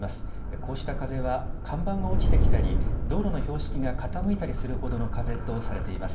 こうした風は看板が落ちてきたり道路の標識が傾いたりするほどの風とされています。